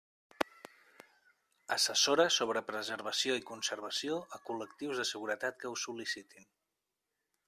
Assessora sobre preservació i conservació a col·lectius de seguretat que ho sol·licitin.